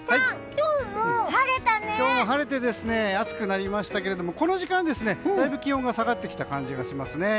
今日も晴れて暑くなりましたけどもこの時間、だいぶ気温が下がってきた感じがしますね。